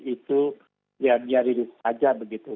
itu biarin saja begitu